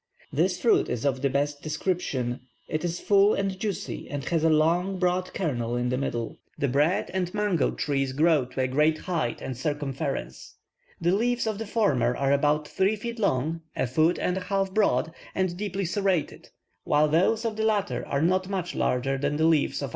This fruit is of the best description; it is full and juicy, and has a long, broad kernel in the middle. The bread and mango trees grow to a great height and circumference. The leaves of the former are about three feet long, a foot and a half broad, and deeply serrated; while those of the latter are not much larger than the leaves of our own apple trees.